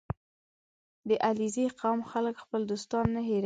• د علیزي قوم خلک خپل دوستان نه هېروي.